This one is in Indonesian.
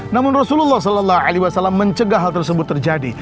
namun rasulullah saw mencegah hal tersebut terjadi